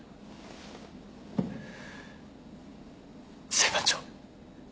裁判長。